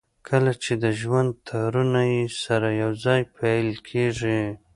کله چې د ژوند تارونه يې سره يو ځای پييل کېږي.